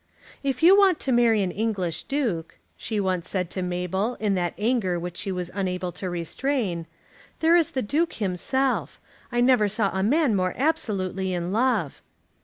"If you want to marry an English Duke," she once said to Isabel in that anger which she was unable to restrain, "there is the Duke himself. I never saw a man more absolutely in love."